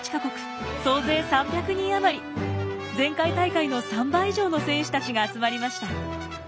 前回大会の３倍以上の選手たちが集まりました。